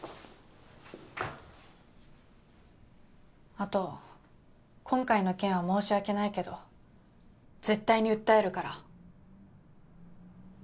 あと今回の件は申し訳ないけど絶対に訴えるから。